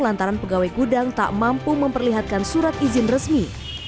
lantaran pegawai gudang tak mampu memperlihatkan surat izin resmi